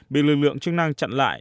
bị lực lượng chức năng chặn lại